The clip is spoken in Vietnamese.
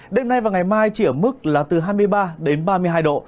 đêm nay và ngày mai chỉ ở mức là từ hai mươi ba đến ba mươi hai độ